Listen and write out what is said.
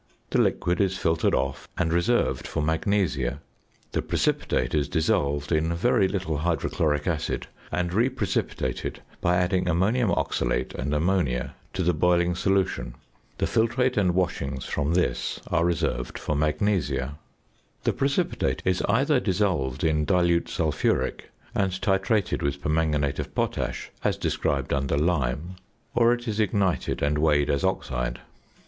The liquid is filtered off and reserved for magnesia. The precipitate is dissolved in very little hydrochloric acid and reprecipitated by adding ammonium oxalate and ammonia to the boiling solution. The filtrate and washings from this are reserved for magnesia. The precipitate is either dissolved in dilute sulphuric and titrated with permanganate of potash as described under Lime (p. 322); or it is ignited and weighed as oxide.